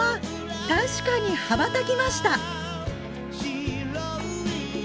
確かに羽ばたきました！